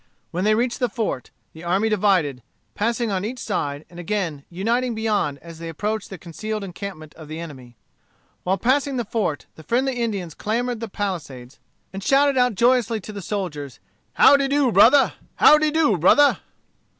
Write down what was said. When they reached the fort, the army divided, passing on each side, and again uniting beyond, as they approached the concealed encampment of the enemy. While passing the fort, the friendly Indians clambered the palisades, and shouted out joyously to the soldiers "How de do, brother how de do, brother?"